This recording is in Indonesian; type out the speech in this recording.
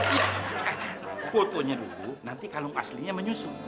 iya fotonya dulu nanti kalung aslinya menyusun